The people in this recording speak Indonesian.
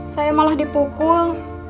saya malah dipukul